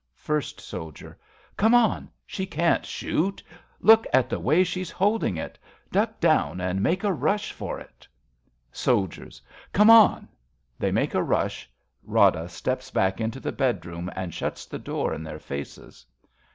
First Soldier. Come on ! She can't shoot ! Look at the way she's holding it ! Duck down, and make a rush for it. 63 RADA Soldiers. Come on ! {They make a rush. Rada ste'ps hack into the bedroom and shuts the door in their faces.)